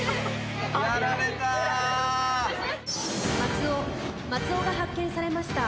松尾松尾が発見されました。